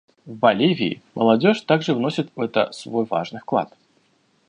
В Боливии молодежь также вносит в это свой важный вклад.